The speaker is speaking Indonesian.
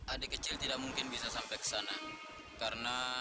adik kecil tidak mungkin bisa sampai ke sana